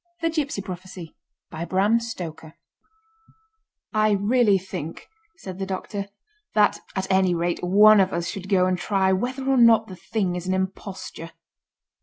The Gipsy Prophecy "I really think," said the Doctor, "that, at any rate, one of us should go and try whether or not the thing is an imposture."